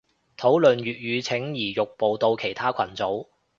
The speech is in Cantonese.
討論粵語請移玉步到其他群組